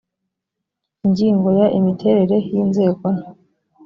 ingingo ya imiterere y inzego nto